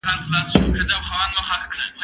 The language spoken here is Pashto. زه ښوونځی ته تللی دی،